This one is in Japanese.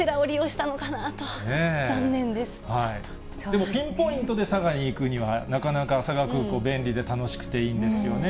でもピンポイントで佐賀に行くには、なかなか佐賀空港、便利で楽しくていいんですよね。